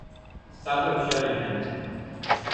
საკვებში არ იყენებენ.